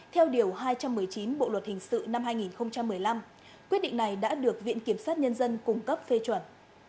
theo điều hai trăm một mươi chín bộ luật hình sự năm hai nghìn một mươi năm quyết định này đã được viện kiểm sát nhân dân cung cấp phê chuẩn